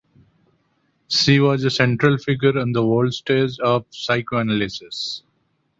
She was a central figure on the world stage of psychoanalysis.